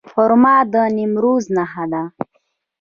خرما د نیمروز نښه ده.